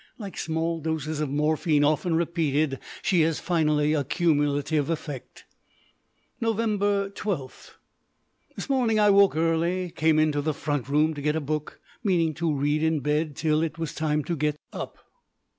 Like small doses of morphine often repeated, she has finally a cumulative effect. Nov. 12. This morning I woke early, and came into the front room to get a book, meaning to read in bed till it was time to get tip.